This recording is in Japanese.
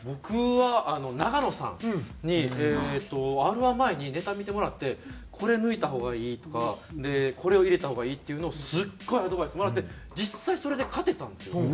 僕は永野さんにＲ−１前にネタ見てもらってこれ抜いた方がいいとかこれを入れた方がいいっていうのをすっごいアドバイスもらって実際それで勝てたんですよ。